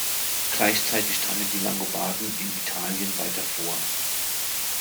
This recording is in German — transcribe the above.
Gleichzeitig drangen die Langobarden in Italien weiter vor.